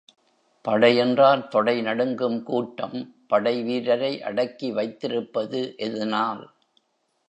படை என்றால் தொடை நடுங்கும் கூட்டம், படை வீரரை அடக்கி வைத்திருப்பது எதனால்?